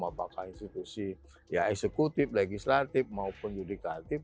apakah institusi ya eksekutif legislatif maupun yudikatif